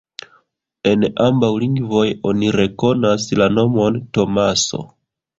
En ambaŭ lingvoj oni rekonas la nomon Tomaso.